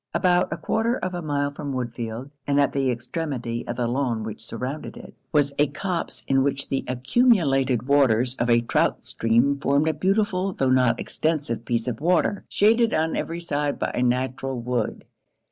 About a quarter of a mile from Woodfield, and at the extremity of the lawn which surrounded it, was a copse in which the accumulated waters of a trout stream formed a beautiful tho' not extensive piece of water, shaded on every side by a natural wood.